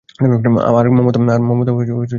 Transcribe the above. আর মমতা এটা তোমার চিঠি।